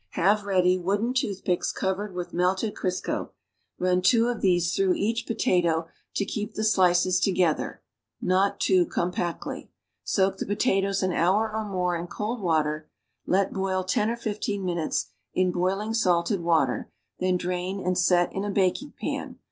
Have ready wooden toothiiicks covered with melted C risco, run two of these through each potato to keep the slices together (not too compactly). Soak the potatoes an hour or more in cold water, let boil ten or fifteen minutes in boiling salted water, then drain and set in a baking pan.